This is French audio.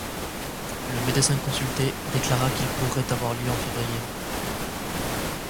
Le médecin consulté déclara qu'il pourrait avoir lieu en février.